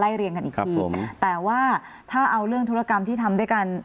ไล่เรียนกันอีกทีครับผมแต่ว่าถ้าเอาเรื่องธุรกรรมที่ทำได้กัน